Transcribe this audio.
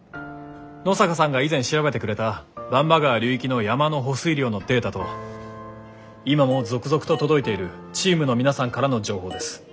野坂さんが以前調べてくれた番場川流域の山の保水量のデータと今も続々と届いているチームの皆さんからの情報です。